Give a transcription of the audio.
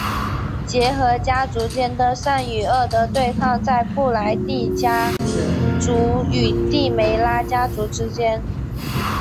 结合家族间的善与恶的对抗在布莱帝家族与帝梅拉家族之间。